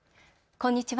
こんにちは。